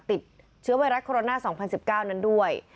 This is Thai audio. ติดเชื้อไวรัสโคโรนา๒๐๑๙นั้นด้วย